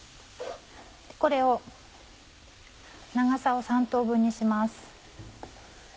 これを長さを３等分にします。